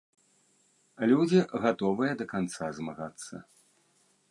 Людзі гатовыя да канца змагацца.